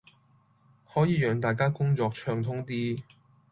可以讓大家工作暢通啲